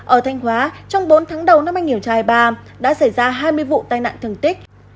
ở thanh hóa trong bốn tháng đầu năm hai nghìn hai mươi ba đã xảy ra hai mươi vụ tai nạn thương tích